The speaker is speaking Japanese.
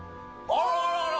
あららら。